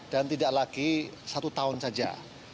dan tidak lagi satu tahun saja